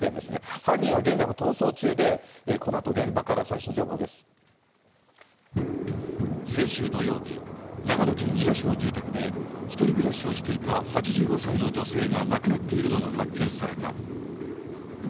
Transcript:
犯人は今も逃走中で、このあと現場から最新情報で先週土曜日、長野県伊那市の住宅で、１人暮らしをしていた８５歳の女性が亡くなっているのが発見された。